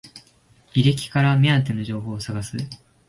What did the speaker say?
履歴から目当ての情報を探す